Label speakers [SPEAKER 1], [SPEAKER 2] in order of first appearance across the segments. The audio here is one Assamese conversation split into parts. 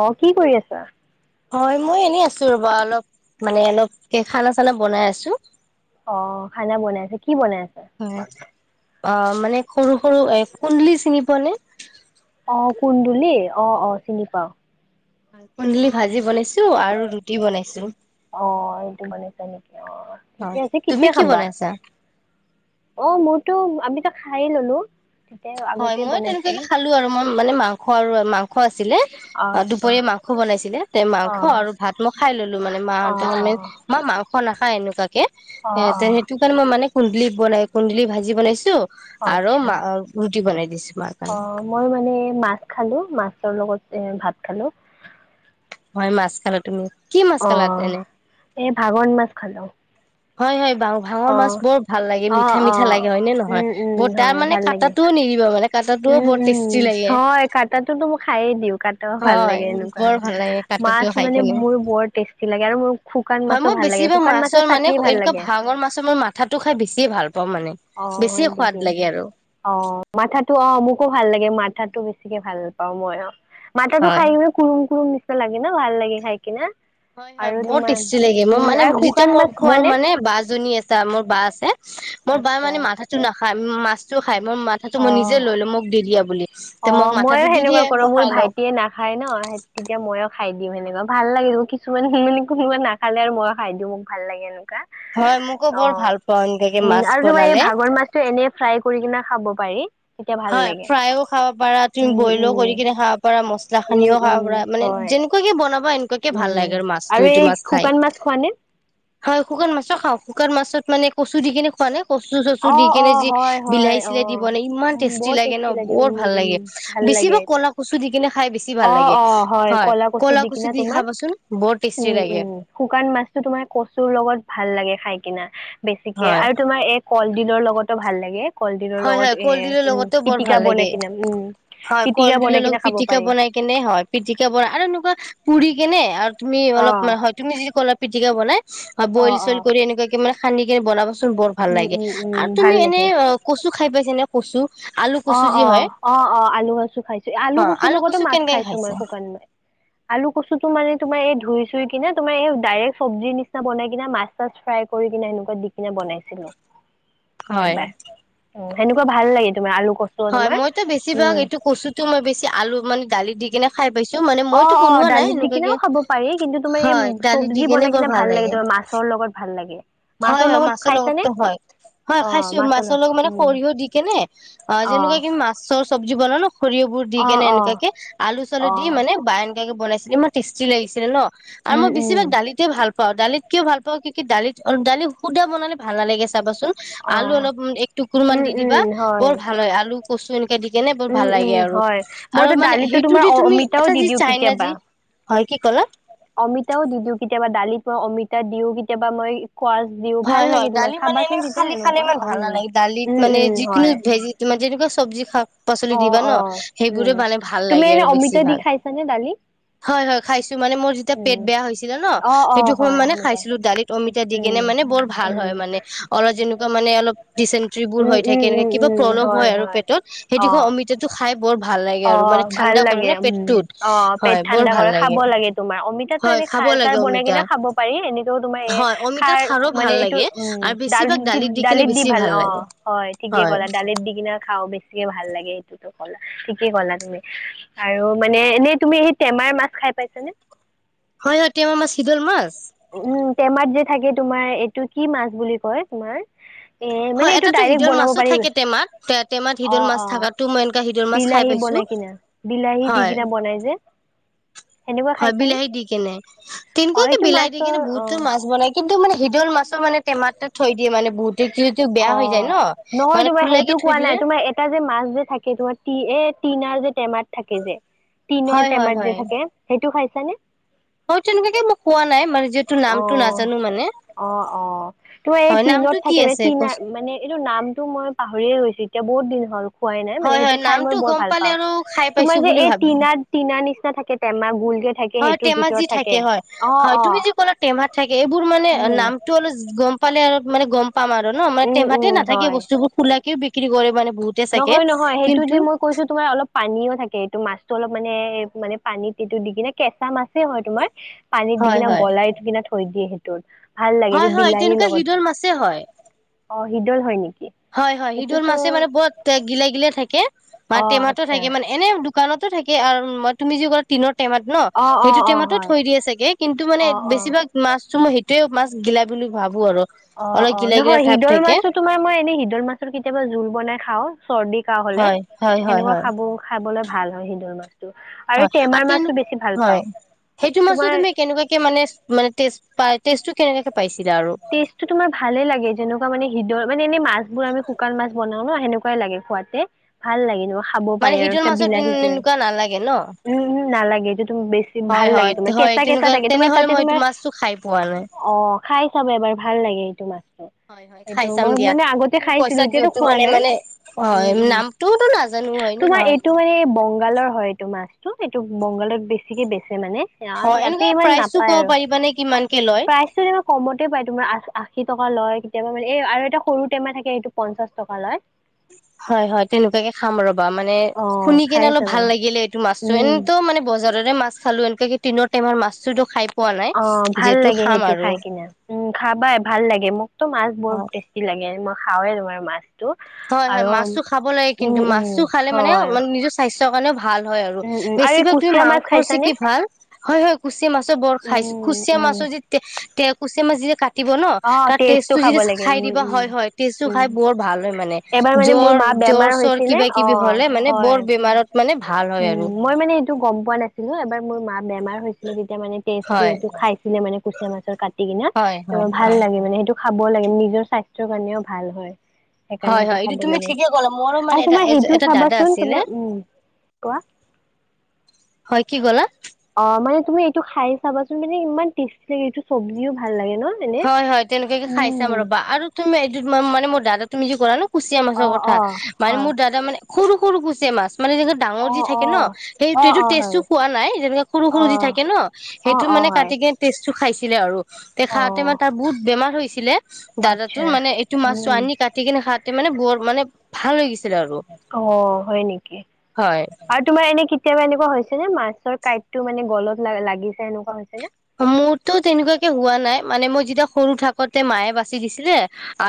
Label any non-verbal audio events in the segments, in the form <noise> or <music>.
[SPEAKER 1] অঁ কি কৰি আছা?
[SPEAKER 2] হয় মই এনেই আছো ৰবা, অলপ মানে অলপ খানা চানা বনাই আছো।
[SPEAKER 1] অ খানা বনাই আছা, কি বনাই আছা?
[SPEAKER 2] হয় অ মানে সৰু সৰু এ কুন্দলি চিনি পোৱা নে?
[SPEAKER 1] অ কুন্দুলি? অ অ চিনি পাওঁ।
[SPEAKER 2] কুন্দলি ভাজি বনাইছো আৰু ৰুটি বনাইছো।
[SPEAKER 1] অঁ এইটো বনছা নেকি অঁ, ঠিকে
[SPEAKER 2] হয়।
[SPEAKER 1] আছে
[SPEAKER 2] তুমি
[SPEAKER 1] কেতিয়া
[SPEAKER 2] কি
[SPEAKER 1] খাবা?
[SPEAKER 2] বনাইছা?
[SPEAKER 1] অ মোৰতো আমি ত খায়ে ললো।
[SPEAKER 2] হয়
[SPEAKER 1] আগতে
[SPEAKER 2] মই
[SPEAKER 1] বনাইছিলো
[SPEAKER 2] তেনেকাকে খালো আৰু মই মানে মাংস আৰু মাংস আছে ছিলে
[SPEAKER 1] আচ্ছা
[SPEAKER 2] দুপৰীয়া মাংস বনাইছিলে তে মাংস
[SPEAKER 1] অ',
[SPEAKER 2] আৰু ভাত মই খায় ললো মানে, মাহঁতৰ
[SPEAKER 1] অ',
[SPEAKER 2] কাৰণে
[SPEAKER 1] অ'।
[SPEAKER 2] মা <unintelligible> খ লাখা এনেকুৱাকে এ
[SPEAKER 1] অ',
[SPEAKER 2] তে
[SPEAKER 1] অ',
[SPEAKER 2] সেইটো কাৰণে মই মানে কুন্দুলি বনাই কুন্দলি ভাজি বনাইছো। আৰু
[SPEAKER 1] আচ্ছা।
[SPEAKER 2] মা অ
[SPEAKER 1] অ মই মানে মাছ খালো মাছ ৰ লগত এ ভাত খালো।
[SPEAKER 2] হয়, মাছ খালো। তুমি? কি মাছ খালা
[SPEAKER 1] অঁ
[SPEAKER 2] এনে
[SPEAKER 1] এই ভাগন মাছ খালুঙ।
[SPEAKER 2] হয়, হয়। ভাঙৰ মাছ বৰ ভাল লাগে,
[SPEAKER 1] অ',
[SPEAKER 2] মিঠা, মিঠা
[SPEAKER 1] অ',
[SPEAKER 2] লাগে হয়নে নহয়?
[SPEAKER 1] উম, উম,
[SPEAKER 2] বৰ তাৰ
[SPEAKER 1] হয়
[SPEAKER 2] মানে
[SPEAKER 1] ভাল লাগে।
[SPEAKER 2] কাটাটোও নিদিব মানে কাটাটোও
[SPEAKER 1] উম,
[SPEAKER 2] বৰ
[SPEAKER 1] উম,
[SPEAKER 2] টেষ্টি লাগে
[SPEAKER 1] হয়, কাটাটোতো মই খায়ে দিওঁ, কাটাও ভাল
[SPEAKER 2] হয়
[SPEAKER 1] লাগে এনেকুৱা।
[SPEAKER 2] বৰ ভাল লাগে কাটাটো
[SPEAKER 1] মাছ
[SPEAKER 2] খাই
[SPEAKER 1] মানে
[SPEAKER 2] কেনে
[SPEAKER 1] মোৰ বৰ টেষ্টি লাগে, আৰু মোৰ শুকান
[SPEAKER 2] হয়
[SPEAKER 1] মাছো
[SPEAKER 2] মই
[SPEAKER 1] ভাল লাগে,
[SPEAKER 2] বেছিভাগ
[SPEAKER 1] শুকান মাছৰ
[SPEAKER 2] মানে
[SPEAKER 1] চাটনি ভাল
[SPEAKER 2] এনেকুৱা
[SPEAKER 1] লাগে
[SPEAKER 2] ভাঙৰ মাছ মই মাথাটো খাই বেছিয়ে ভাল পাওঁ মানে।
[SPEAKER 1] অ
[SPEAKER 2] বেছিয়ে
[SPEAKER 1] হয়
[SPEAKER 2] সোৱাদ
[SPEAKER 1] নেকি?
[SPEAKER 2] লাগে আৰু
[SPEAKER 1] অ মাথাটো অ মোকো ভাল লাগে। মাথাতো বেছিকে ভাল পাও মই অ। মাথাটো
[SPEAKER 2] হয়
[SPEAKER 1] খাইওৱে কুম কুম লাগে ন ভাল লাগে খাই কিনে।
[SPEAKER 2] হয় হয়
[SPEAKER 1] আৰু
[SPEAKER 2] বৰ
[SPEAKER 1] তোমাৰ
[SPEAKER 2] টেষ্টি লাগে মোৰ
[SPEAKER 1] উম
[SPEAKER 2] মানে
[SPEAKER 1] আৰু
[SPEAKER 2] যেতিয়া
[SPEAKER 1] শুকান
[SPEAKER 2] মোৰ
[SPEAKER 1] মাছ খোৱা
[SPEAKER 2] মোৰ
[SPEAKER 1] নে
[SPEAKER 2] মানে বা জনী আছে মোৰ বা আছে। মোৰ বা
[SPEAKER 1] আচ্ছা
[SPEAKER 2] মানে মাথাটো নাখায় মাছটো খাই মোৰ মাথাটো মই
[SPEAKER 1] অ
[SPEAKER 2] নিজে লৈ লো মোক দি দিয়া বুলি। তে
[SPEAKER 1] অ
[SPEAKER 2] মোক মাথাটো
[SPEAKER 1] মইয়ো
[SPEAKER 2] দি
[SPEAKER 1] সেনেকুৱা
[SPEAKER 2] দিয়ে
[SPEAKER 1] কৰো
[SPEAKER 2] মই
[SPEAKER 1] মোৰ
[SPEAKER 2] খাই লওঁ
[SPEAKER 1] ভাইটিয়ে নাখায় ন তেতিয়া মইয় খাই দিওঁ। সেনেকুৱা ভাল লাগে কিছুমান <unintelligible> নাখালে মইয় খাই দিওঁ মোক ভাল লাগে এনে কা
[SPEAKER 2] হয় মোকো
[SPEAKER 1] অ
[SPEAKER 2] বৰ ভাল পাওঁ এনেকাকে
[SPEAKER 1] উম
[SPEAKER 2] মাছ
[SPEAKER 1] আৰু তোমাৰ এই
[SPEAKER 2] বনালে
[SPEAKER 1] ভাগৰ মাছটো এনে ফ্ৰাই কৰি কিনে খাব পাৰি। তেতিয়া ভাল
[SPEAKER 2] হয়
[SPEAKER 1] লাগে
[SPEAKER 2] ফ্ৰায়ো খাব পাৰা তুমি
[SPEAKER 1] উম
[SPEAKER 2] বইলো
[SPEAKER 1] উম
[SPEAKER 2] কৰি কিনে খাব পাৰা মছলা হানিও
[SPEAKER 1] উম উম
[SPEAKER 2] খাব পাৰা মানে
[SPEAKER 1] হয়
[SPEAKER 2] যেনেকুৱা কি বনাবা এ ককে ভাল
[SPEAKER 1] উম
[SPEAKER 2] লাগে আৰু মাছটো এইটো
[SPEAKER 1] এই
[SPEAKER 2] মাছ খাই।
[SPEAKER 1] শুকান মাছ খোৱা নে
[SPEAKER 2] হয় শুকান মাছো খাও। শুকান মাছত মানে কচু দি কেনে খুৱোৱা নে? কচু চচু
[SPEAKER 1] অ
[SPEAKER 2] দি
[SPEAKER 1] অ
[SPEAKER 2] কেনে যি
[SPEAKER 1] হয় হয়
[SPEAKER 2] বিলাহী
[SPEAKER 1] অ
[SPEAKER 2] চিলাহ দিব নে ইমান
[SPEAKER 1] উম
[SPEAKER 2] টেষ্টি
[SPEAKER 1] বহুত
[SPEAKER 2] লাগে ন বৰ
[SPEAKER 1] উম
[SPEAKER 2] ভাল
[SPEAKER 1] উম
[SPEAKER 2] লাগে
[SPEAKER 1] ভাল
[SPEAKER 2] বেছি
[SPEAKER 1] লাগে
[SPEAKER 2] বা
[SPEAKER 1] এইটো
[SPEAKER 2] কলা কচু দি কিনে খাই বেছি ভাল লাগে। হয়, ক'লা কচু দি খাবাচোন বৰ টেষ্টি লাগে।
[SPEAKER 1] যে তোমাৰ কচুৰ লগত ভাল লাগে খাই। কিনা বেছিকে
[SPEAKER 2] হয়
[SPEAKER 1] আৰু তোমাৰ এই কলডিলৰ লগতো ভাল লাগে। কলডিলৰ
[SPEAKER 2] হয় হয়
[SPEAKER 1] লগত এ
[SPEAKER 2] কলডিলৰ
[SPEAKER 1] উম,
[SPEAKER 2] লগতো বৰ ভাল
[SPEAKER 1] পিতিকা
[SPEAKER 2] লাগে
[SPEAKER 1] বনাই কিনে উম,
[SPEAKER 2] হয়
[SPEAKER 1] পিতিকা
[SPEAKER 2] কলডিলৰ
[SPEAKER 1] বনাই
[SPEAKER 2] লগত
[SPEAKER 1] কিনে খাব
[SPEAKER 2] পিটিকা
[SPEAKER 1] পাৰি।
[SPEAKER 2] বনাই কেনে হয় পিতিকা বৰা আৰু এনেকুৱা পুৰি কেনে আৰু তুমি
[SPEAKER 1] অ
[SPEAKER 2] অলপ মান হয় তুমি যদি কলপ পিটিকা বনাই অ, বইল চইল কৰি এনেকুৱাকে মানে সানি কে বনাবচোন বৰ ভাল
[SPEAKER 1] উম
[SPEAKER 2] লাগে
[SPEAKER 1] উম উম
[SPEAKER 2] আৰু
[SPEAKER 1] ভাল
[SPEAKER 2] তুমি
[SPEAKER 1] লাগে
[SPEAKER 2] এনেই অ, কচু খাই পাইছা নে কচু? আলু কচু
[SPEAKER 1] অ',
[SPEAKER 2] যি হয়
[SPEAKER 1] অ', অ', অ', আলু কচু খাইছো আলু
[SPEAKER 2] অ
[SPEAKER 1] কচুৰ লগতো
[SPEAKER 2] কচু
[SPEAKER 1] মাছ
[SPEAKER 2] কেনেকে
[SPEAKER 1] খাইছো মই
[SPEAKER 2] খাইছা
[SPEAKER 1] শুকান মই। আলু, কচুটো মানে তোমাৰ এই ধই চুই কিনে তোমাৰ এই ডাইৰেক্ট চব্জিৰ নিচিনা বনাই কিনে মাছ চাছ ফ্ৰাই কৰি কেনে এনেকোৱা দি কিনে বনাইছিলো।
[SPEAKER 2] হয়।
[SPEAKER 1] হেনেকোৱা ভাল লাগে তোমাৰ আলু কচু
[SPEAKER 2] হয়
[SPEAKER 1] তোমাৰ
[SPEAKER 2] মইতো বেছিভাগ
[SPEAKER 1] উম
[SPEAKER 2] এইটো কচুতো মই বেছি আলু মানে দালিত দি কিনে খাই পাইছো মানে মইতো
[SPEAKER 1] অ', অ',
[SPEAKER 2] বনোৱা নাই
[SPEAKER 1] দালিত দি
[SPEAKER 2] এনেকুৱাকে
[SPEAKER 1] কিনেও খাব পাৰি কিন্তু তুমি এই
[SPEAKER 2] হয় দালি দি
[SPEAKER 1] চব্জি
[SPEAKER 2] কেনে
[SPEAKER 1] বনাই
[SPEAKER 2] বৰ
[SPEAKER 1] কিনে ভাল লাগে তুমি মাছ অৰ লগত ভাল লাগে।
[SPEAKER 2] হয় -হয়
[SPEAKER 1] লগত
[SPEAKER 2] মাছৰ
[SPEAKER 1] খাইছানে
[SPEAKER 2] লগততো হয়। হয় খাইছো মাছৰ লগত মানে সৰিয়হ দি কেনে অ, যেনেকোৱাকে মাছৰ চব্জি বনালো সৰিয়হবোৰ দি
[SPEAKER 1] অ
[SPEAKER 2] কেনে
[SPEAKER 1] অ
[SPEAKER 2] এনেকোৱাকে আলু চালু
[SPEAKER 1] অ
[SPEAKER 2] দি মানে বাইন <unintelligible> বনাইছিল ইমান টেষ্টি লাগিছিলে ন' আৰু
[SPEAKER 1] উম
[SPEAKER 2] মই
[SPEAKER 1] উম
[SPEAKER 2] বেছভাগ দালিতে ভাল পাওঁ দালিত কিয় ভাল পাও কি- কি দালিত দালি সুধা বনালে ভাল নালাগে চাবাচোন
[SPEAKER 1] অ
[SPEAKER 2] আলু অলপমান একটুকুৰ মান
[SPEAKER 1] উম
[SPEAKER 2] দি
[SPEAKER 1] উম
[SPEAKER 2] দিবা
[SPEAKER 1] হয়
[SPEAKER 2] বৰ ভাল হয় আলু কচু এনে <unintelligible> দি কেনে বৰ
[SPEAKER 1] উম
[SPEAKER 2] ভাল
[SPEAKER 1] উম
[SPEAKER 2] লাগে
[SPEAKER 1] হয়
[SPEAKER 2] আৰু-আৰু
[SPEAKER 1] মইতো
[SPEAKER 2] মানে
[SPEAKER 1] দালিতো
[SPEAKER 2] হেইটো
[SPEAKER 1] তোমাৰ
[SPEAKER 2] দি
[SPEAKER 1] অ
[SPEAKER 2] তুমি
[SPEAKER 1] অমিতাও
[SPEAKER 2] এটা
[SPEAKER 1] দি
[SPEAKER 2] যি
[SPEAKER 1] দিওঁ
[SPEAKER 2] চাই না
[SPEAKER 1] কেতিয়াবা
[SPEAKER 2] যি হয় কি ক'লা
[SPEAKER 1] অমিতাও দি দিও কেতিয়াবা দালিৰ পৰা অমিতা দিও কেতিয়াবা মই -
[SPEAKER 2] হয় - হয় দালি মানে এনেে
[SPEAKER 1] তেতিয়া
[SPEAKER 2] খালি খালে
[SPEAKER 1] এনেকুৱা
[SPEAKER 2] ইমান ভাল
[SPEAKER 1] উম
[SPEAKER 2] নালাগে দালিত
[SPEAKER 1] উম
[SPEAKER 2] মানে
[SPEAKER 1] উম
[SPEAKER 2] যিকোনো
[SPEAKER 1] হয়
[SPEAKER 2] ভেজি ত - যেনেকোৱা চবজি খাওঁ - শাক পাচলি
[SPEAKER 1] অ
[SPEAKER 2] দিবা ন
[SPEAKER 1] অ উম
[SPEAKER 2] সেইবোৰে বানে ভাল
[SPEAKER 1] তুমি
[SPEAKER 2] লাগে
[SPEAKER 1] এনে
[SPEAKER 2] আৰু বেছি
[SPEAKER 1] অমিতা দি
[SPEAKER 2] ভাগ।
[SPEAKER 1] খাইছানে দালি
[SPEAKER 2] হয় - হয় - হয় খাইছো মানে মোৰ যেতিয়া পেট
[SPEAKER 1] উম,
[SPEAKER 2] বেয়া হৈছিলে ন
[SPEAKER 1] অ', অ',
[SPEAKER 2] সেইটো সময়
[SPEAKER 1] হয়
[SPEAKER 2] মানে
[SPEAKER 1] সেনেকুৱাই
[SPEAKER 2] খাইছিলো দালিত অমিতা দি কেনে
[SPEAKER 1] উম,
[SPEAKER 2] মানে বৰ - ভাল
[SPEAKER 1] উম।
[SPEAKER 2] হয় মানে অলপ যেনেকুৱা মানে অলপ - ডিচেনটেৰি বোৰ
[SPEAKER 1] উম,
[SPEAKER 2] হৈ
[SPEAKER 1] উম,
[SPEAKER 2] থাকে
[SPEAKER 1] উম,
[SPEAKER 2] কিবা
[SPEAKER 1] উম,
[SPEAKER 2] প্ৰলম হয় আৰু পেটত
[SPEAKER 1] অ',
[SPEAKER 2] অমিতাটো খাই বৰ -
[SPEAKER 1] অ, ভাল লাগে উম, অ, পেট
[SPEAKER 2] হয় বৰ
[SPEAKER 1] ঠাণ্ডা
[SPEAKER 2] ভাল
[SPEAKER 1] কৰে খাব লাগে তোমাৰ অমিতাটো
[SPEAKER 2] হয়
[SPEAKER 1] এনে খা
[SPEAKER 2] খাব
[SPEAKER 1] সাৰ চাৰ
[SPEAKER 2] লাগে
[SPEAKER 1] বনাই
[SPEAKER 2] অমিতা
[SPEAKER 1] কিনে খাব পাৰি এনেকও তোমাৰ এ
[SPEAKER 2] হয় অমিতা
[SPEAKER 1] সাৰ
[SPEAKER 2] খাৰো
[SPEAKER 1] মানে
[SPEAKER 2] ভাল
[SPEAKER 1] এইটো
[SPEAKER 2] লাগে
[SPEAKER 1] উম
[SPEAKER 2] আৰু বেছিভাগ
[SPEAKER 1] দালিত দি-
[SPEAKER 2] কিনে
[SPEAKER 1] দালিত দি
[SPEAKER 2] বেছি
[SPEAKER 1] ভাল অ,
[SPEAKER 2] লাগে
[SPEAKER 1] হয় ঠিকে ক'লা দালিত দি কিনে খাও বেছিয়ে ভাল লাগে হেইটোতো। কলা ঠিকেই কলা তুমি আৰু মানে এনেই তুমি সেই টেমাৰ মাছ খাই পাইছানে?
[SPEAKER 2] হয় হয় টেমা মাছ শিদল মাছ।
[SPEAKER 1] উম টেমাত যে থাকে তোমাৰ এইটো কি মাছ বুলি কয় তোমাৰ? এ মানে
[SPEAKER 2] হয়
[SPEAKER 1] এইটো
[SPEAKER 2] এটা
[SPEAKER 1] ডাইৰেক্ট
[SPEAKER 2] হিদল
[SPEAKER 1] বনাব
[SPEAKER 2] মাছো
[SPEAKER 1] পাৰি
[SPEAKER 2] টেমাত তে টেমাত
[SPEAKER 1] অ
[SPEAKER 2] হিদল মাছ
[SPEAKER 1] অ
[SPEAKER 2] থকাতো মই এনেকা হিদৰ মা -
[SPEAKER 1] বিলাহী বনাই কিনা বিলাহী দি কিনে বনাই যে? সেনেকুৱা
[SPEAKER 2] হয়
[SPEAKER 1] খাইছানে
[SPEAKER 2] বিলাহী দি কেনে
[SPEAKER 1] অ
[SPEAKER 2] কেনকোৱাকে
[SPEAKER 1] এইটো
[SPEAKER 2] বিলাহী দি
[SPEAKER 1] মাছৰ
[SPEAKER 2] কেনে
[SPEAKER 1] অ
[SPEAKER 2] বহুতে মাছ বনাই - কিন্তু মানে সিদল মাছ মানে টমাতে থৈ দিও বহুত -
[SPEAKER 1] অ, নহয় তোমাৰ
[SPEAKER 2] খোলাকে
[SPEAKER 1] সেইটো
[SPEAKER 2] থৈ
[SPEAKER 1] কোৱা
[SPEAKER 2] দিলে
[SPEAKER 1] নাই তোমাৰ এটা যে মাছ যে থাকে তোমাৰ টি এত - টিনা যে টেমাত থাকে যে টিনৰ
[SPEAKER 2] হয় হয়
[SPEAKER 1] টেমাত
[SPEAKER 2] হয়
[SPEAKER 1] যে থাকে সেইটো খাইছনে?
[SPEAKER 2] হয় তেনেকুৱাকে মোক কোৱা নাই
[SPEAKER 1] অ
[SPEAKER 2] নামটো নাজানো মানে।
[SPEAKER 1] অ, অ তোমা এই
[SPEAKER 2] হয়
[SPEAKER 1] টিনত
[SPEAKER 2] নামটো কি
[SPEAKER 1] থাকে
[SPEAKER 2] আছে কচ
[SPEAKER 1] মানে তি - এইটো নামটো মই পাহৰিয়ে গৈছো এতিয়া বহুত দিন হ'ল। খোৱাই নাই মানে
[SPEAKER 2] হয়
[SPEAKER 1] হেইটো
[SPEAKER 2] হয়
[SPEAKER 1] খাই মই
[SPEAKER 2] নামটো
[SPEAKER 1] বৰ
[SPEAKER 2] গম
[SPEAKER 1] ভাল
[SPEAKER 2] পালে
[SPEAKER 1] পাওঁ।
[SPEAKER 2] আৰু খাই
[SPEAKER 1] তোমাৰ
[SPEAKER 2] পাইছো
[SPEAKER 1] যে
[SPEAKER 2] বুলি
[SPEAKER 1] এই
[SPEAKER 2] ভাব
[SPEAKER 1] টনা টনা নিচ - তাতে থাকে টেমা গুল।
[SPEAKER 2] হয় টেমা যি থাকে হয় হয় তুমি
[SPEAKER 1] অ'।
[SPEAKER 2] যি ক'লা টেমাত থাকে এইবোৰ মানে
[SPEAKER 1] উম,
[SPEAKER 2] নামটো গম পালে আৰু মানে গম পাম আৰু ন মানে
[SPEAKER 1] উম,
[SPEAKER 2] টেমাতে
[SPEAKER 1] উম,
[SPEAKER 2] নাথাকে
[SPEAKER 1] হয়।
[SPEAKER 2] বস্তুবোৰ খোলাকে বিক্ৰী কৰে মানে -
[SPEAKER 1] নহয় - নহয় হেইটো যে মই কৈছো তোমাৰ অলপ পানীও থাকে এইটো মাছটো অলপ - মানে - মানে পানীত এইটো দি কিনে কেঁচা মাছেই হয় তোমাৰ পানীত দি
[SPEAKER 2] হয়
[SPEAKER 1] কিনে
[SPEAKER 2] হয়
[SPEAKER 1] গলাই কি থৈ দিয়ে হেইটো ভাল লাগে
[SPEAKER 2] হয় হয়
[SPEAKER 1] বিলাহীৰ
[SPEAKER 2] তেনেকুৱা
[SPEAKER 1] লগত
[SPEAKER 2] হিদল মাছে হয়
[SPEAKER 1] অ শিদল হয় নেকি?
[SPEAKER 2] হয় - হয় সিদল
[SPEAKER 1] এইটোতো
[SPEAKER 2] মাছেই মানে গিলাই গিলাই থাকে বা
[SPEAKER 1] অ',
[SPEAKER 2] টেমাতো
[SPEAKER 1] আচ্ছা
[SPEAKER 2] থাকে মানে এনে - দোকানতো থাকে আৰু মই তুমি যি কোৱা টিনত - টেমাত ন
[SPEAKER 1] অ',
[SPEAKER 2] সেইটো
[SPEAKER 1] অ', অ',
[SPEAKER 2] টেমাতো
[SPEAKER 1] হয়
[SPEAKER 2] থৈ দিয়ে চাগে কিন্তু মানে
[SPEAKER 1] অ', অ'।
[SPEAKER 2] বেছিভাগ মাছটো মই হেক - তেঁও মাছ গিলাই বুলি ভাবো আৰ -
[SPEAKER 1] অ, অ নহয় শিদল মাছো তোমাৰ মই এনে শিদল মাছৰ কেতিয়াবা জোল বনাই খাও। চৰ্দি কাঁহ হলে
[SPEAKER 2] হয় হয় হয়
[SPEAKER 1] হেনেকোৱা
[SPEAKER 2] হয়
[SPEAKER 1] খাবও খাবলে ভাল হয় হিদল মাছ।
[SPEAKER 2] হয় আৰু হয় সেইটো মাছো
[SPEAKER 1] তোমাৰ
[SPEAKER 2] তুমি কেনেকুৱাকে মানে মানে তেজ পাই টেষ্টো কেনেকে
[SPEAKER 1] টেষ্টটো তোমাৰ ভালে লাগে যেনেকুৱা মানে হৃদৰ মানে এনে মাছ বোৰ আমি শুকান মাছ বন ন সেনেকুৱাই লাগে খুৱতে ভাল লাগে ন খাব
[SPEAKER 2] মানে
[SPEAKER 1] পাৰি আৰু
[SPEAKER 2] সিটোৰ
[SPEAKER 1] এ
[SPEAKER 2] মাছত
[SPEAKER 1] বিলাহী চিলাই
[SPEAKER 2] তেনেকুৱা নালাগে ন
[SPEAKER 1] উম উম নালাগে এইটো তম বেছি ভাল
[SPEAKER 2] হয়
[SPEAKER 1] লাগে
[SPEAKER 2] হয়
[SPEAKER 1] তোমাক
[SPEAKER 2] হয়
[SPEAKER 1] কেঁচা কেঁচা
[SPEAKER 2] তেনেকুৱা
[SPEAKER 1] থাকে তোমাৰ
[SPEAKER 2] তেনেহলে
[SPEAKER 1] তাতে
[SPEAKER 2] মই এইটো
[SPEAKER 1] তোমাৰ
[SPEAKER 2] মাছটো খাই পোৱা নাই
[SPEAKER 1] অ খাই চাব এবাৰ ভাল লাগে এইটো মাছ
[SPEAKER 2] হয় হয়
[SPEAKER 1] সটো
[SPEAKER 2] খাই চাম
[SPEAKER 1] মই
[SPEAKER 2] দিয়া
[SPEAKER 1] মানে আগতে
[SPEAKER 2] তুমি
[SPEAKER 1] খাইছিলো
[SPEAKER 2] কৈছা
[SPEAKER 1] এতিয়াতো
[SPEAKER 2] যিহেতু
[SPEAKER 1] খোৱা
[SPEAKER 2] মানে
[SPEAKER 1] নাই
[SPEAKER 2] মানে হয়
[SPEAKER 1] উম উম
[SPEAKER 2] নামটোওতো নাজানো হয় নে
[SPEAKER 1] তোমাৰ
[SPEAKER 2] নহয়
[SPEAKER 1] এইটো মানে বংগালৰ হয় এইটো মাছটো এইটো বংগালত বেছিকে বেচছে মানে
[SPEAKER 2] হয়
[SPEAKER 1] ইয়াতে
[SPEAKER 2] এনেকুৱা
[SPEAKER 1] ইমান
[SPEAKER 2] প্ৰাইচটো
[SPEAKER 1] নাপায়
[SPEAKER 2] ক'ব
[SPEAKER 1] আৰু
[SPEAKER 2] পাৰিবানে কিমানকে লয়
[SPEAKER 1] প্ৰাইজটো এ কমত বাই তোমাৰ আশ আশী টকা লয় কেতিয়াবা মানে এ আৰু এটা সৰু টেমা থাকে সেইটো পঞ্চাশ টকা লয় <inaudible>
[SPEAKER 2] হয় হয় তেনেকুৱাকে খাম ৰবা মানে
[SPEAKER 1] অ
[SPEAKER 2] শুনি কেনে
[SPEAKER 1] খাই
[SPEAKER 2] অলপ
[SPEAKER 1] চাবা
[SPEAKER 2] ভাল লাগিলে এইটো মাছতটো
[SPEAKER 1] উম
[SPEAKER 2] এনেও মানে বজাৰত মাছ খালো এনেকুৱা কে টিনৰ টেমা মাছতো খাই পোৱা নাই
[SPEAKER 1] অ ভাল
[SPEAKER 2] যিহেতু
[SPEAKER 1] লাগে
[SPEAKER 2] খাম
[SPEAKER 1] সেইটো
[SPEAKER 2] আৰু
[SPEAKER 1] খাই কিনে উম খাবাই ভাল লাগে মোকতো মাছ বৰ
[SPEAKER 2] হয়
[SPEAKER 1] টেষ্টি লাগে খাওে তোমাৰ মাছটো
[SPEAKER 2] হয় হয়
[SPEAKER 1] আৰু
[SPEAKER 2] মাছো খাব লাগে
[SPEAKER 1] উম
[SPEAKER 2] কিন্তু
[SPEAKER 1] উম
[SPEAKER 2] মাছো খালে মানে
[SPEAKER 1] হয়
[SPEAKER 2] মানে নিজৰ স্বাস্থ্যৰ কাৰণেও ভাল হয় আৰু
[SPEAKER 1] উম উম আৰু এই
[SPEAKER 2] বেছিভাগ তুমি
[SPEAKER 1] কুচিয়া মাছ
[SPEAKER 2] মাংসৰ
[SPEAKER 1] খাইছানে
[SPEAKER 2] চেকি ভাল
[SPEAKER 1] উম উম
[SPEAKER 2] মাছ কুচিয়া মাছ যেতিয়া কাটিব ন
[SPEAKER 1] অ
[SPEAKER 2] তাৰ
[SPEAKER 1] টেষ্টটো
[SPEAKER 2] টজটো
[SPEAKER 1] খাব
[SPEAKER 2] যেদি
[SPEAKER 1] লাগে
[SPEAKER 2] খাই
[SPEAKER 1] উম
[SPEAKER 2] দিবা
[SPEAKER 1] উম
[SPEAKER 2] হয় হয় টেজটো
[SPEAKER 1] উম
[SPEAKER 2] খাই বৰ ভাল হয় মানে
[SPEAKER 1] এবাৰ মানে মোৰ
[SPEAKER 2] জ্বৰ
[SPEAKER 1] মা
[SPEAKER 2] জ্বৰ
[SPEAKER 1] বেমাৰ
[SPEAKER 2] চৰ
[SPEAKER 1] হৈছিলে
[SPEAKER 2] কিবা
[SPEAKER 1] অ
[SPEAKER 2] কিবি হ'লে মানে
[SPEAKER 1] হয়
[SPEAKER 2] বৰ বেমাৰত মানে ভাল হয়
[SPEAKER 1] উম,
[SPEAKER 2] আৰু
[SPEAKER 1] মই মানে এইটো গম পোৱা নাছিলো এবাৰ মোৰ মা বেমাৰ হৈছিলে তেতিয়া মানেষ্টটো
[SPEAKER 2] হয়
[SPEAKER 1] এইটো খাইছিলে মানে কুচিয়া মাছৰ কাটি কিনে
[SPEAKER 2] হয় হয়
[SPEAKER 1] ভাল
[SPEAKER 2] হয়
[SPEAKER 1] লাগে মানে সেইটো খাব লাগে নিজৰ স্বাস্থ্যৰ কাৰণেও ভাল হয় সেইকাৰণে
[SPEAKER 2] হয়
[SPEAKER 1] সেইটো
[SPEAKER 2] হয় এইটো
[SPEAKER 1] খাব
[SPEAKER 2] তুমি
[SPEAKER 1] লাগে
[SPEAKER 2] ঠিকে ক'লা মোৰো মানে
[SPEAKER 1] আৰু
[SPEAKER 2] এটা
[SPEAKER 1] তোমাৰ সেইটো
[SPEAKER 2] এটা দাদা
[SPEAKER 1] চাবাচোন
[SPEAKER 2] আছিলে
[SPEAKER 1] তোমাৰ উম কোৱা
[SPEAKER 2] হয় কি ক'লা
[SPEAKER 1] অ মানে তুমি এইটো খাই চাবাচোন মানে ইমান টেষ্টি লাগে এইটো চব্জিও ভাল লাগে ন এনে
[SPEAKER 2] হয়, হয় তেনেকুৱাকে খাই চাম
[SPEAKER 1] উম
[SPEAKER 2] ৰবা আৰু তুমি এইটো মানে মোৰ দাদা তুমি যি কৰা ন কুচিয়া
[SPEAKER 1] অ
[SPEAKER 2] মাছৰ কথা
[SPEAKER 1] অ
[SPEAKER 2] মানে
[SPEAKER 1] হয়
[SPEAKER 2] মোৰ দাদা মানে সৰু সৰু কুচিয়া মাছ মানে যেনে ডাঙৰ
[SPEAKER 1] অ
[SPEAKER 2] যি
[SPEAKER 1] অ
[SPEAKER 2] থাকে ন সেই
[SPEAKER 1] অ
[SPEAKER 2] সেইটো
[SPEAKER 1] অ হয়
[SPEAKER 2] টেষ্টো খোৱা নাই তেনেক সৰু
[SPEAKER 1] অ
[SPEAKER 2] সৰু যি থাকে ন
[SPEAKER 1] অ
[SPEAKER 2] সেইটো মে
[SPEAKER 1] অ
[SPEAKER 2] মানে
[SPEAKER 1] হয়
[SPEAKER 2] কাটি টেজ টো খাইছে
[SPEAKER 1] অ',।
[SPEAKER 2] বহুত বেমাৰ হৈছিলে দাদা তোৰ
[SPEAKER 1] আচ্ছা
[SPEAKER 2] মানে এইটো মাছটো
[SPEAKER 1] উম
[SPEAKER 2] আনি কাটি কিনে খা মানে বৰ মানে ভাল হৈ গিছে
[SPEAKER 1] অ', হয় নেকি
[SPEAKER 2] হয়
[SPEAKER 1] আৰু তোমাৰ এনে কি কেতিয়াবা এনেকুৱা হৈছে নে মাছৰ কাইটো মানে গলত ল লাগিছে এনেকুৱা হৈছে নে?
[SPEAKER 2] মোৰতো তেনেকুৱাকে হোৱা নাই মানে মই যেতিয়া সৰু থাকোতে মায়ে বাচি দিছিলে।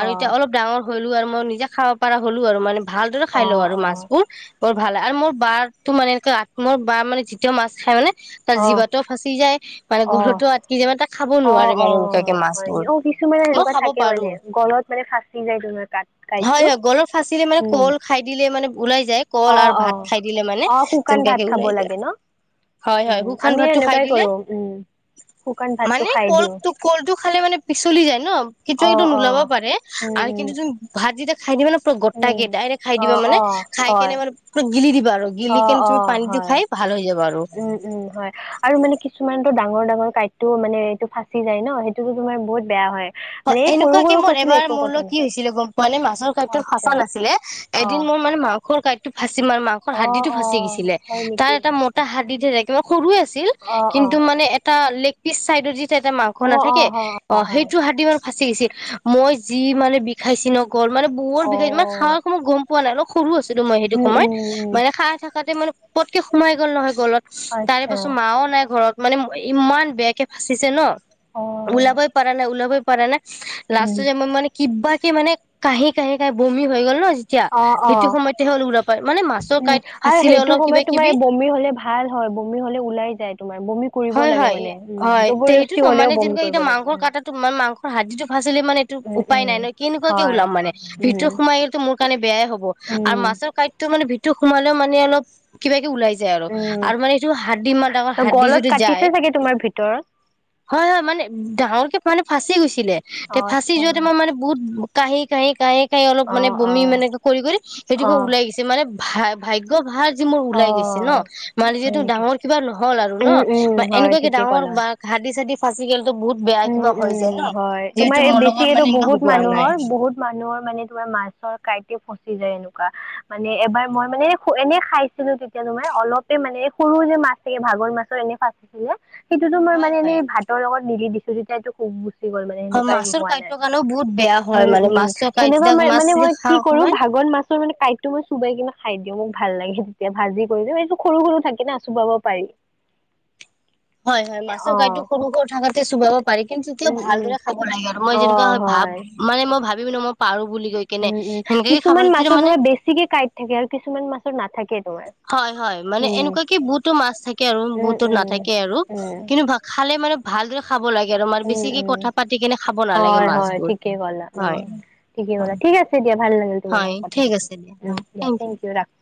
[SPEAKER 1] অ
[SPEAKER 2] এতিয়া অলপ ডাঙৰ হলো আৰু মই নিজে খাব পৰাাৰ হ'লো আৰু মানে ভালদৰে খাই
[SPEAKER 1] অ
[SPEAKER 2] লওঁ আৰু
[SPEAKER 1] অ
[SPEAKER 2] মাছবোৰ বৰ ভাল আৰু মোৰ বা তো মানে এনেক মোৰ বা মানে যেতিয়া মাছ খাই মানে তাৰ জীৱাতো ফাঁচি যায় মানে
[SPEAKER 1] অ
[SPEAKER 2] গৰুতো
[SPEAKER 1] অ
[SPEAKER 2] আটকি য মান তাক খাব
[SPEAKER 1] অ
[SPEAKER 2] নোৱাৰে
[SPEAKER 1] অ
[SPEAKER 2] মানুহ লোকাকে মাছ
[SPEAKER 1] হয় নি
[SPEAKER 2] বোৰ
[SPEAKER 1] অ কিছুমানে
[SPEAKER 2] মই
[SPEAKER 1] সেনেকুৱা
[SPEAKER 2] খাব
[SPEAKER 1] থাকে
[SPEAKER 2] পাৰো।
[SPEAKER 1] মানে গলত মানে ফাঁচি যায় তোমাৰ কাট
[SPEAKER 2] হয়
[SPEAKER 1] কাঁইটটো
[SPEAKER 2] হয় গলৰ ফাচিলে মানে
[SPEAKER 1] উম
[SPEAKER 2] কল খাই দিলে মানে ওলাই যায় কল
[SPEAKER 1] অ',
[SPEAKER 2] আৰু ভাত
[SPEAKER 1] অ',
[SPEAKER 2] খাই দিলে মানে
[SPEAKER 1] অ', শুকান ভাত
[SPEAKER 2] তেনেকুৱাকে
[SPEAKER 1] খাব
[SPEAKER 2] ওলাই যায়
[SPEAKER 1] লাগে ন।
[SPEAKER 2] হয় হয়
[SPEAKER 1] উম,
[SPEAKER 2] শুকান
[SPEAKER 1] আমি
[SPEAKER 2] ভাতটো খাই
[SPEAKER 1] এনেকুৱাই
[SPEAKER 2] দিলে
[SPEAKER 1] কৰো উম। শুকান ভাতটো
[SPEAKER 2] মানে
[SPEAKER 1] খাই
[SPEAKER 2] কল
[SPEAKER 1] দিওঁ
[SPEAKER 2] কলটো খালে মানে পিচলি যায় ন,
[SPEAKER 1] অ
[SPEAKER 2] কেতিয়াবা
[SPEAKER 1] অ
[SPEAKER 2] নোলাব পাৰে
[SPEAKER 1] উম
[SPEAKER 2] আৰু
[SPEAKER 1] উম
[SPEAKER 2] কিন্তু ভাত যেতিয়া খাই দিবা না পুৰা গোট
[SPEAKER 1] উম
[SPEAKER 2] কে ডাইৰেক্ট খাই
[SPEAKER 1] অ
[SPEAKER 2] দিবা মানে
[SPEAKER 1] অ
[SPEAKER 2] খাই কেনে
[SPEAKER 1] হয়
[SPEAKER 2] মানে পুৰা গিলি দিব বাৰ গিলি
[SPEAKER 1] অ
[SPEAKER 2] কেনে
[SPEAKER 1] অ
[SPEAKER 2] তুমি পানী দি
[SPEAKER 1] হয়
[SPEAKER 2] খাই ভাল হৈ যাব।
[SPEAKER 1] উম, উম হয় আৰু মানে কিছুমান ডাঙৰ ডাঙৰ কটো মানে এইটো ফাচি যায় ন সেইটোতো তোমাৰ বহুত বেয়া হয়। মানে এই সৰু
[SPEAKER 2] এনেকুৱা কে কি
[SPEAKER 1] সৰু
[SPEAKER 2] মোৰ
[SPEAKER 1] ফচিলে
[SPEAKER 2] এবাৰ
[SPEAKER 1] একো
[SPEAKER 2] মোৰ
[SPEAKER 1] কথা
[SPEAKER 2] লগ
[SPEAKER 1] নাই
[SPEAKER 2] কি হৈছিলে গম পোৱা নে মাছৰ কাদ
[SPEAKER 1] আচ্ছা
[SPEAKER 2] ফাছা নাছিলে
[SPEAKER 1] অ
[SPEAKER 2] এদিন মোৰ মানে মাংস কাটো ফাচি ম মাংসৰ
[SPEAKER 1] অ
[SPEAKER 2] হাদিটো
[SPEAKER 1] অ
[SPEAKER 2] ফাঁচি গৈছিলে
[SPEAKER 1] হয়
[SPEAKER 2] তাৰ
[SPEAKER 1] নেকি
[SPEAKER 2] এটা মোটা হাদি ধাকে সৰু আছিল
[SPEAKER 1] অ অ
[SPEAKER 2] কিন্তু মানে এটা লেগ পিচ চাইযৰ যি এটা মাংস
[SPEAKER 1] অ অ
[SPEAKER 2] নাথাকে
[SPEAKER 1] হ
[SPEAKER 2] অ',
[SPEAKER 1] হয়
[SPEAKER 2] সেইটো হাত মানে ফাচি গৈছিল মই যি মানে বিষাইছ ন। গ'ল মানে বহুত
[SPEAKER 1] অ
[SPEAKER 2] বিষাই ইমান সাহখ ময় গম পোৱা নাই অলপ সৰু আছিলো মই সেইটো
[SPEAKER 1] উম
[SPEAKER 2] সময়ত
[SPEAKER 1] উম উম
[SPEAKER 2] মানে সাহ থাকাতে মানে পতকে সোমাই গ'ল নহয় গলত তাৰে
[SPEAKER 1] আচ্ছা
[SPEAKER 2] পাছত মাও নাই ঘৰত মানে ইমান বেয়াকে ফাচিছে ন
[SPEAKER 1] অ
[SPEAKER 2] ওলাবই পৰা নাই, ওলাবই পৰা নাই
[SPEAKER 1] উম
[SPEAKER 2] লাষ্টত যে মই মানে কিবাকে মানে কাঁহি, কাঁহি, কাঁহি বমি হৈ গ'ল ন। তেতিয়া
[SPEAKER 1] অ অ
[SPEAKER 2] সেইটো সময়তেহে ওল পায় মানে মাছৰ
[SPEAKER 1] উম
[SPEAKER 2] কাঁইট
[SPEAKER 1] আৰু
[SPEAKER 2] ভাচিলে
[SPEAKER 1] সেইটো
[SPEAKER 2] অলপ কিবা
[SPEAKER 1] সময়ত তোমাৰ
[SPEAKER 2] কিবি
[SPEAKER 1] বমি হলে ভাল হয় বমি হলে ওলাই যায় তোমাৰ বমি কৰিব
[SPEAKER 2] হয়
[SPEAKER 1] লাগে
[SPEAKER 2] হয়
[SPEAKER 1] মানে উ
[SPEAKER 2] হয়
[SPEAKER 1] জবৰ জস্তি হলেও বমি কৰিব লাগে উ
[SPEAKER 2] তোমাৰ মাংস হাদ্দীটো ফাচিলে মানে এইটো উপায়
[SPEAKER 1] উম
[SPEAKER 2] নাই ন, কেনেকুৱাকে
[SPEAKER 1] হয়
[SPEAKER 2] ওলাম মানে
[SPEAKER 1] উম
[SPEAKER 2] ভিতৰত সোমাই গলেতো মোৰ কাৰণে বেয়াএ হ'ব। আৰু
[SPEAKER 1] উম।
[SPEAKER 2] মাছৰ কাইতটো মানে ভিতৰত সোমালেও মানে অলপ কিবাকে ওলাই যাই। আৰু
[SPEAKER 1] উম,
[SPEAKER 2] আৰু মানে এইটো হাড্দী ইমান ডাঙৰ
[SPEAKER 1] ত'
[SPEAKER 2] হাড্দী
[SPEAKER 1] গলত
[SPEAKER 2] যদি যায়।
[SPEAKER 1] কাটিছে চাগে তোমাৰ ভিতৰত?
[SPEAKER 2] হয় হয় মানে ডাঙৰকে মানে ফাঁচি গৈছিলে তে
[SPEAKER 1] অ',
[SPEAKER 2] ফাঁচি
[SPEAKER 1] আচ্ছা,
[SPEAKER 2] যোৱাতে মই মানে বহুত কাঁহি, কাঁহি, কাঁহি, কাঁহি অলপ মানে
[SPEAKER 1] অ',
[SPEAKER 2] বমি
[SPEAKER 1] অ',
[SPEAKER 2] মানে কৰি কৰি সেইদোখৰ
[SPEAKER 1] অ',
[SPEAKER 2] ওলাই গৈছে মানে ভাগ্য ভাল। যে মোৰ ওলাই গৈছে
[SPEAKER 1] অ',
[SPEAKER 2] ন', মানে
[SPEAKER 1] হয়
[SPEAKER 2] যিহেতু
[SPEAKER 1] নেকি?
[SPEAKER 2] ডাঙৰ কিবা নহ'ল আৰু
[SPEAKER 1] উম, উম,
[SPEAKER 2] ন',
[SPEAKER 1] হয়
[SPEAKER 2] এনেকুৱাকে
[SPEAKER 1] ঠিকে
[SPEAKER 2] ডাঙৰ
[SPEAKER 1] ক'লা।
[SPEAKER 2] বা হাৰ্দি চাৰ্দি আজিকালি টো বহুত বেয়া
[SPEAKER 1] উম,
[SPEAKER 2] কিবা হৈ যায়
[SPEAKER 1] উম,
[SPEAKER 2] ন'।
[SPEAKER 1] হয়, তোমাৰ
[SPEAKER 2] যিহেতু
[SPEAKER 1] এই
[SPEAKER 2] মোৰ
[SPEAKER 1] বেছি
[SPEAKER 2] লগত
[SPEAKER 1] এইটো
[SPEAKER 2] মানে এনেকুৱা
[SPEAKER 1] বহুত
[SPEAKER 2] হোৱা নাই
[SPEAKER 1] মানুহৰ বহুত মানুহৰ মানে তোমাৰ মাছৰ কাইট ফচি যায় আৰু মানে এবাৰ মই মানে এনে খাইছিলো তেতিয়া তোমাৰ অলপে মানে সৰু যে মাছৰে ভাত গৰৈ মাছৰ এনে ফচিছিলে সেইটোতো মই
[SPEAKER 2] হয়
[SPEAKER 1] মানে এনেই
[SPEAKER 2] হয়
[SPEAKER 1] ভাতৰ লগত গিলি দিছো যেতিয়া এইটো খুব গ'ল মানে
[SPEAKER 2] হয়
[SPEAKER 1] সেনেকুৱা একো
[SPEAKER 2] মাছৰ
[SPEAKER 1] হোৱা নাই,
[SPEAKER 2] কাঁইটৰ কাৰণেও বহুত বেয়া হয়
[SPEAKER 1] উম
[SPEAKER 2] মানে
[SPEAKER 1] উম,
[SPEAKER 2] মাছৰ কাঁইট
[SPEAKER 1] সেনেকুৱা
[SPEAKER 2] যেতিয়া
[SPEAKER 1] মই
[SPEAKER 2] মাছ
[SPEAKER 1] মানে
[SPEAKER 2] যেতিয়া
[SPEAKER 1] মই কি
[SPEAKER 2] খাওঁ
[SPEAKER 1] কৰো
[SPEAKER 2] মই
[SPEAKER 1] ভাগৰ মাছৰ মানে কাইটতো মই চোবাই কিনে খাই দিওঁ। ভাল লাগে তেতিয়া ভাজি কৰিলে এইটো সৰু সৰু থাকে না চুবাব পাৰি।
[SPEAKER 2] হয়, হয়
[SPEAKER 1] অ
[SPEAKER 2] মাছৰ কাইটো সৰু সৰু থাকাতে চোবাব পাৰি কিন্তু তেতিয়াও
[SPEAKER 1] উম উম
[SPEAKER 2] ভালদৰে খাব লাগে আৰু মই
[SPEAKER 1] অ
[SPEAKER 2] যেনেকুৱা ভাৱ
[SPEAKER 1] হয়
[SPEAKER 2] মানে মই ভাবি পিনে মই পাৰোঁ।
[SPEAKER 1] উম, উম কিছুমান মাছৰ ধৰা বেছিকে কাইট থাকে আৰু কিছুমান মাছৰ নাথাকে। তোমাৰ
[SPEAKER 2] হয়, হয় মানে
[SPEAKER 1] উম
[SPEAKER 2] এনেকুৱাকে বহুতো মাছ থাকে আৰু
[SPEAKER 1] উম
[SPEAKER 2] বহুতৰ
[SPEAKER 1] উম
[SPEAKER 2] নাথাকে আৰু
[SPEAKER 1] উম
[SPEAKER 2] কিন্তু ভাষা মানে মানে ভালদৰে খাব লাগে আৰু আমাৰ
[SPEAKER 1] উম
[SPEAKER 2] বেছিকে
[SPEAKER 1] উম
[SPEAKER 2] কথা পাতি কেনে খাব নালাগে
[SPEAKER 1] হয় হয়
[SPEAKER 2] মাছবোৰ
[SPEAKER 1] ঠিকেই ক'লা
[SPEAKER 2] হয়
[SPEAKER 1] উম ঠিকেই
[SPEAKER 2] হয়।
[SPEAKER 1] ক'লা ঠিক আছে দিয়া ভাল লাগিল তোমাৰ
[SPEAKER 2] হয়,
[SPEAKER 1] লগত কথা
[SPEAKER 2] ঠিক
[SPEAKER 1] পাতি
[SPEAKER 2] আছে দিয়া
[SPEAKER 1] উম
[SPEAKER 2] হয়
[SPEAKER 1] দিয়া থেংক ইউ ৰাখো।